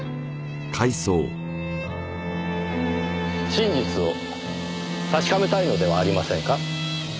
真実を確かめたいのではありませんか？